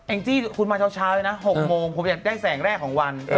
แอ๊ะยีจี้คุณมาช้าหน่ะ๖โมงผมอย่าได้แสงแรกของวัน